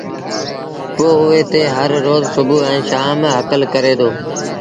پو اُئي تي هر روز سڀو ائيٚݩ شآم هڪل با ڪري دو